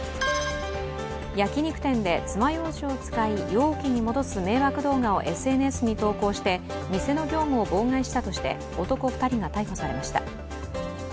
焼き肉店で爪ようじを使い容器に戻す迷惑動画をＳＮＳに投稿して店の業務を妨害したとして男２人が逮捕されました。